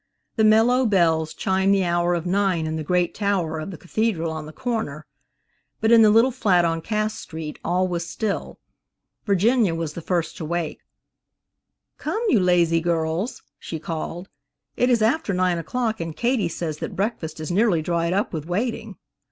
The mellow bells chimed the hour of nine in the great tower of the Cathedral on the corner, but in the little flat on Cass street all was still. Virginia was the first to wake. "Come, you lazy girls," she called, "it is after nine o'clock and Katie says that breakfast is nearly dried up with waiting."